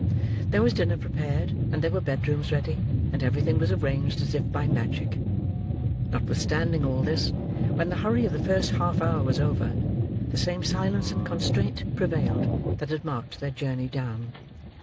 There was dinner prepared, and there were bedrooms ready, and everything was arranged as if by magic. Notwithstanding all this, when the hurry of the first half hour was over, the same silence and constraint prevailed that had marked their journey down.